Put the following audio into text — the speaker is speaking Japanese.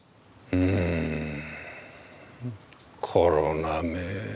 うんコロナめ。